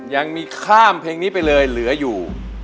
ยังมีข้ามเพลงนี้ไปเลยเหลืออยู่